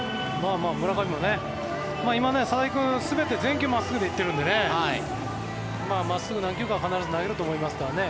今、佐々木君全て、全球真っすぐで行っているので真っすぐ、何球かは必ず投げるとは思いますからね